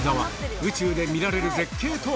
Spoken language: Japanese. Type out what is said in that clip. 宇宙で見られる絶景とは。